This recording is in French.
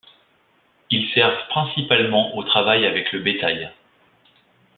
Ils servent principalement au travail avec le bétail.